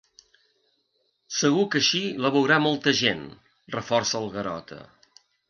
Segur que així la veurà molta gent —reforça el Garota—.